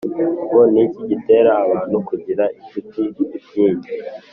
Ngo ni iki gitera abantu kugira inshuti nyinshi?